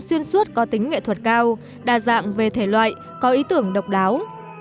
xuyên suốt có tính nghệ thuật cao đa dạng về thể loại có ý tưởng độc đáo